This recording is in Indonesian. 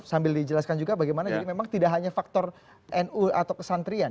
sambil dijelaskan juga bagaimana jadi memang tidak hanya faktor nu atau pesantren